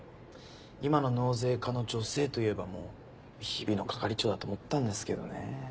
今の納税課の女性といえばもう日比野係長だと思ったんですけどね。